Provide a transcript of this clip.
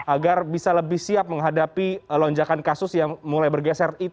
agar bisa lebih siap menghadapi lonjakan kasus yang mulai bergeser